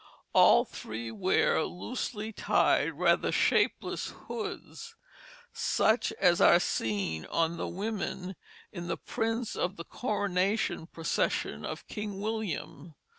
All three wear loosely tied rather shapeless hoods, such as are seen on the women in the prints of the coronation procession of King William.